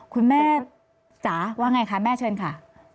คุณแม่สาว่าอย่างไรคะแม่เชิญค่ะ